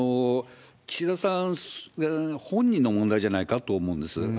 岸田さん本人の問題じゃないかと思うんです。